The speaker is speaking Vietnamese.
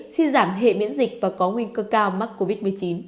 suy giảm hệ miễn dịch và có nguy cơ cao mắc covid một mươi chín